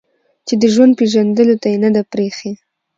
چې د ژوند پېژندلو ته يې نه ده پرېښې